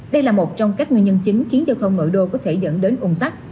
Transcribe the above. đây là một trong các nguyên nhân chính khiến giao thông nội đô có thể dẫn đến ủng tắc